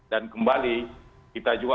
dan kembali kita juga